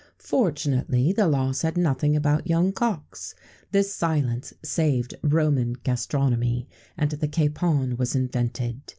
[XVII 13] Fortunately, the law said nothing about young cocks; this silence saved Roman gastronomy, and the capon was invented.